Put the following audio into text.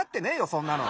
そんなの。